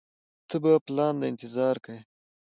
ته به پلان له انتظار کيې.